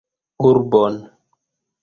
Urbon.